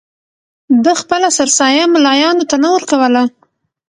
ده خپله سرسایه ملایانو ته نه ورکوله.